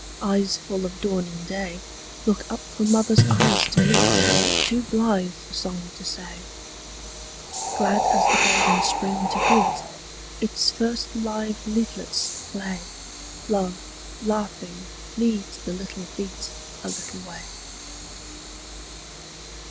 Eyes full of dawning day Look up for mother's eyes to meet, Too blithe for song to say. Glad as the golden spring to greet Its first live leaflet's play, Love, laughing, leads the little feet A little way.